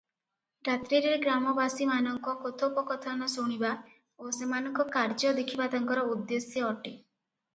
ରାତ୍ରିରେ ଗ୍ରାମବାସୀମାନଙ୍କ କଥୋପକଥନ ଶୁଣିବା ଓ ସେମାନଙ୍କ କାର୍ଯ୍ୟ ଦେଖିବା ତାଙ୍କର ଉଦ୍ଦେଶ୍ୟ ଅଟେ ।